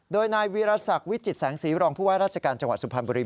โดยนายวีรศักดิ์วิจิตแสงสีรองผู้ว่าราชการจังหวัดสุพรรณบุรี